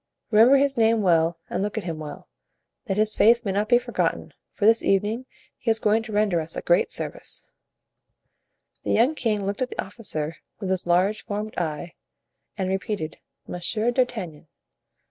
Remember his name well and look at him well, that his face may not be forgotten, for this evening he is going to render us a great service." The young king looked at the officer with his large formed eye, and repeated: "Monsieur d'Artagnan."